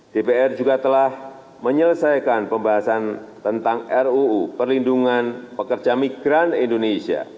dpr juga telah menyelesaikan pembahasan tentang ruu perlindungan pekerja migran indonesia